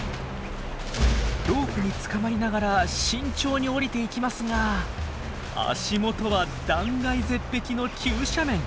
ロープにつかまりながら慎重に下りていきますが足元は断崖絶壁の急斜面。